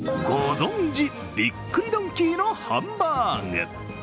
ご存じ、びっくりドンキーのハンバーグ。